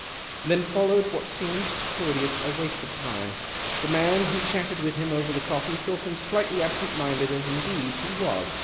Then followed what seemed to Claudius a waste of time. The man who chatted with him over the coffee thought him slightly absent minded, as indeed he was.